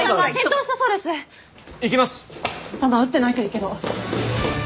頭打ってないといいけど。